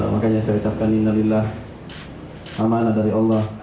makanya saya ucapkan innalillah amanah dari allah